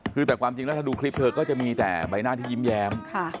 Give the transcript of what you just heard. คือแต่ความจริงแล้วถ้าดูคลิปเธอก็จะมีแต่ใบหน้าที่ยิ้มแย้ม